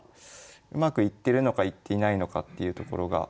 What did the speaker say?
うまくいってるのかいっていないのかっていうところが。